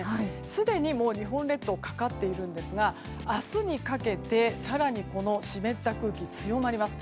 すでに、もう日本列島かかっているんですが明日にかけて更に湿った空気強まります。